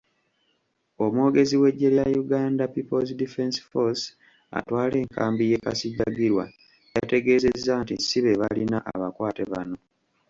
Omwogezi w'eggye lya Uganda People's Defence Force atwala enkambi y'e Kasijjagirwa, yategeezezza nti sibebalina abakwate bano.